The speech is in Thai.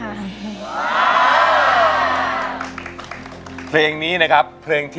ไอพ่อนยังไม่ออกไปแล้วค่ะ